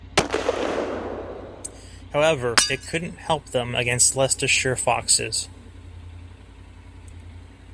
However, it couldn't help them against Leicestershire Foxes.